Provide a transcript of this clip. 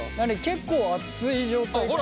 結構熱い状態か？